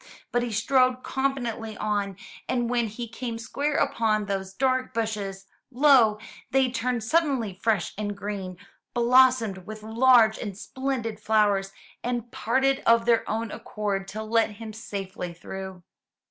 But he strode confidently on, and when he came square upon those dark bushes, lo! they turned suddenly fresh and green, blossomed with large and splendid flowers, and parted of their own accord to let him safely through.